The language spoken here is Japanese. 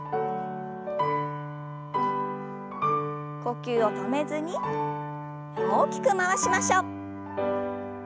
呼吸を止めずに大きく回しましょう。